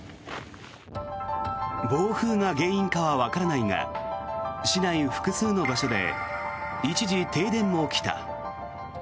暴風が原因かわからないが市内複数の場所で一時、停電も起きた。